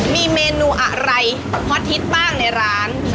มีเมนูอะไรฮอตฮิตบ้างในร้าน